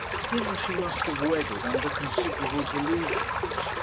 Him she must have wedded under considerable delusions.